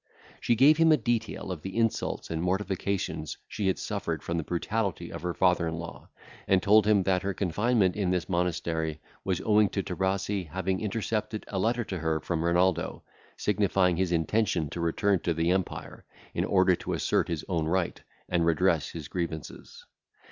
She gave him a detail of the insults and mortifications she had suffered from the brutality of her father in law, and told him, that her confinement in this monastery was owing to Trebasi having intercepted a letter to her from Renaldo, signifying his intention to return to the empire, in order to assert his own right, and redress his grievances.